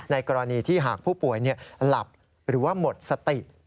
กรณีที่หากผู้ป่วยหลับหรือว่าหมดสติ